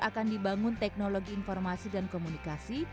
akan dibangun teknologi informasi dan komunikasi